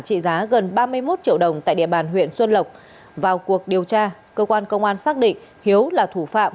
của công an huyện xuân lộc vào cuộc điều tra cơ quan công an xác định hiếu là thủ phạm